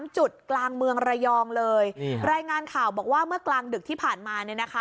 จุดกลางเมืองระยองเลยรายงานข่าวบอกว่าเมื่อกลางดึกที่ผ่านมาเนี่ยนะคะ